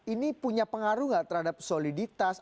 ini punya pengaruh gak terhadap soliditas